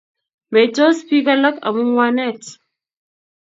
Meitos bik alak amu ngwanet